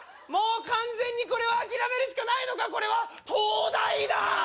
もう完全にこれは諦めるしかないのかこれは灯台だー！